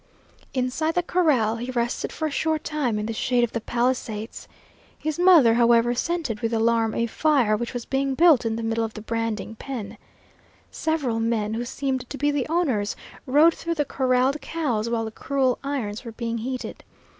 Inside the corral he rested for a short time in the shade of the palisades. His mother, however, scented with alarm a fire which was being built in the middle of the branding pen. Several men, who seemed to be the owners, rode through the corralled cows while the cruel irons were being heated.